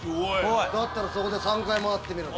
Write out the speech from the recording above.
だったらそこで３回回ってみろ。